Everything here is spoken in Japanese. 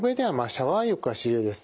シャワー浴が主流です。